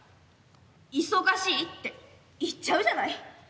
忙しいって言っちゃうじゃない。